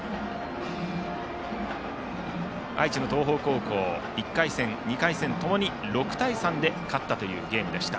愛知の東邦高校１回戦、２回戦共に６対３で勝ったというゲームでした。